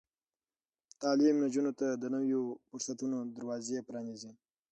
تعلیم نجونو ته د نويو فرصتونو دروازې پرانیزي.